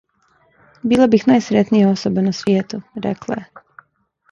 "Била бих најсретнија особа на свијету," рекла је.